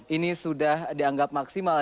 ini sudah dianggap maksimal